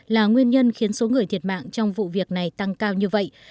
là nguyên nhân khiến số người thiệt mạng trong vụ việc này tăng cao như vậy